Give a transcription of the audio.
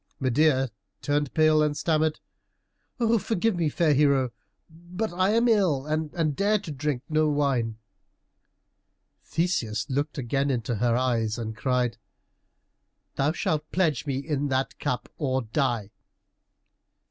Medeia turned pale and stammered, "Forgive me, fair hero, but I am ill and dare drink no wine." Theseus looked again into her eyes and cried, "Thou shalt pledge me in that cup or die!"